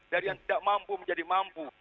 dari yang tidak mampu menjadi mampu